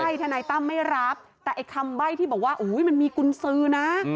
ใช่ทนายตั้มไม่รับแต่ไอ้คำใบ้ที่บอกว่ามันมีกุญสือนะ